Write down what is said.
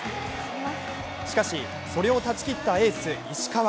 しかし、それを断ち切ったエース・石川。